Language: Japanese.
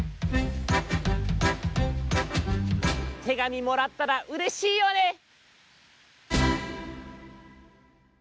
手紙もらったらうれしいよね！